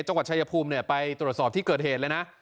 จังหวัดชายภูมิไปตรวจสอบที่เกิดเหตุเลยนะ